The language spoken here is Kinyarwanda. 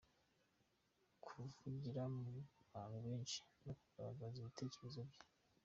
Kuvugira mu bantu benshi no kugaragaza ibitekerezo bye.